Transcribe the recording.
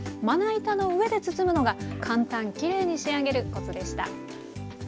まな板の上で包むのが簡単きれいに仕上げるコツでした。